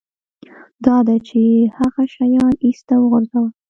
دا ده چې هغه شیان ایسته وغورځوه